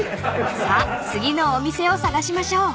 ［さあ次のお店を探しましょう］